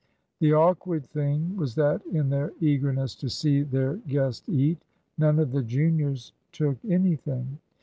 The awkward thing was that, in their eagerness to see their guest eat, none of the juniors took anything.